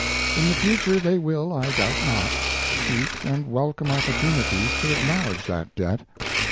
In the future they will, I doubt not, seek and welcome opportunities to acknowledge that debt.